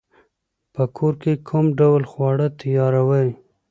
په کور کی کوم ډول خواړه تیاروئ؟